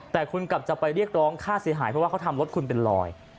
แต่คุณกลับจะไปเรียกร้องค่าเสียหายเพราะว่าเขาทำรถคุณเป็นรอย